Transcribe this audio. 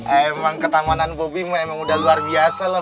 emang ketamanan bobi emang udah luar biasa lah